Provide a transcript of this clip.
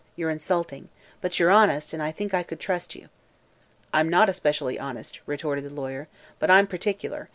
You're insulting. But you're honest, and I think I could trust you." "I'm not especially honest," retorted the lawyer, "but I'm particular.